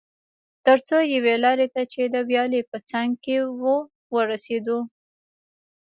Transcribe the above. تر څو یوې لارې ته چې د ویالې په څنګ کې وه ورسېدو.